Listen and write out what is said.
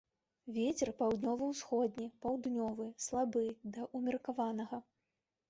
Вецер паўднёва-ўсходні, паўднёвы слабы да ўмеркаванага.